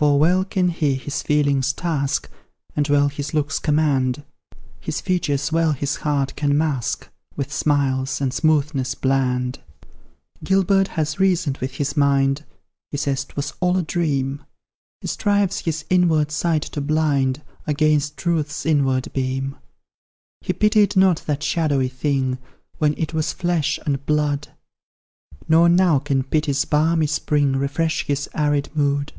For well can he his feelings task, And well his looks command; His features well his heart can mask, With smiles and smoothness bland. Gilbert has reasoned with his mind He says 'twas all a dream; He strives his inward sight to blind Against truth's inward beam. He pitied not that shadowy thing, When it was flesh and blood; Nor now can pity's balmy spring Refresh his arid mood.